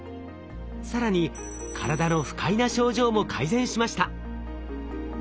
更に体の不快な症状も改善しました。